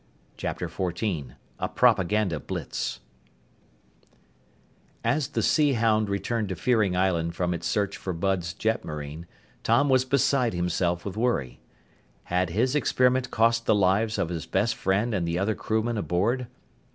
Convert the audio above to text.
CHAPTER XIV A PROPAGANDA BLITZ As the Sea Hound returned to Fearing Island from its search for Bud's jetmarine, Tom was beside himself with worry. Had his experiment cost the lives of his best friend and the other crewmen aboard?